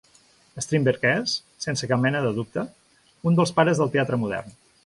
Strindberg és, sense cap mena de dubte, un dels pares del teatre modern.